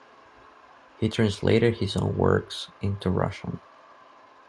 He translated his own works into Russian.